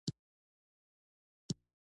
د اقتصادي ودې یو حد ته ورسېدل.